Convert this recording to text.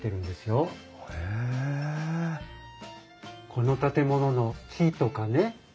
この建物の木とかね